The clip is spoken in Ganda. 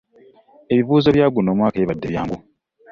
Ebibuuzo bya guno omwaka tebibadde byangu.